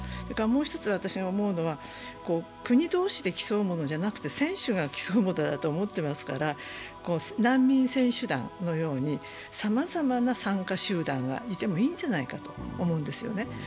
もう１つ私が思うのは、国同士が競うものではなくて選手が競うものだと思っていますから、難民選手団のように、さまざまな参加集団がいてもいいんじゃないかと思うんですよね。